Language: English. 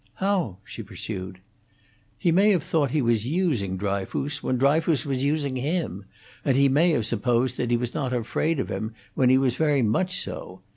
"How?" she pursued. "He may have thought he was using Dryfoos, when Dryfoos was using him, and he may have supposed he was not afraid of him when he was very much so.